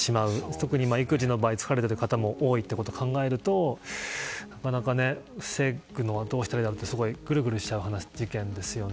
特に育児の場合は疲れている方も多いことを考えるとなかなかどうしたらいいかぐるぐるしちゃう事件ですね。